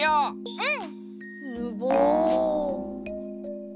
うん！